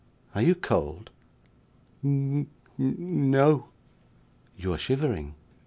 'Are you cold?' 'N n o.' 'You are shivering.